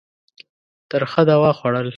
ترخه دوا خوړل.